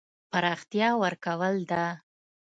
پراختیا ورکول ده.